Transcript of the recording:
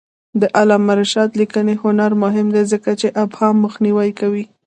د علامه رشاد لیکنی هنر مهم دی ځکه چې ابهام مخنیوی کوي.